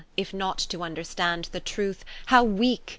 if not to vnderstand the truth, How weake!